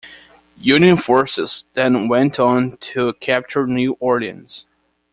Union forces then went on to capture New Orleans.